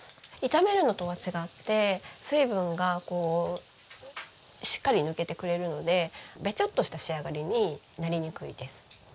炒めるのとは違って水分がこうしっかり抜けてくれるのでベチョッとした仕上がりになりにくいです。